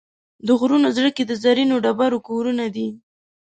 د غرونو زړګي د زرینو ډبرو کورونه دي.